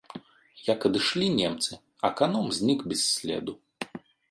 Як адышлі немцы, аканом знік без следу.